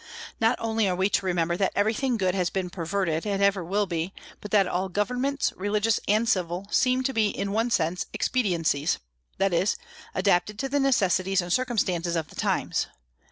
Not only are we to remember that everything good has been perverted, and ever will be, but that all governments, religious and civil, seem to be, in one sense, expediencies, that is, adapted to the necessities and circumstances of the times.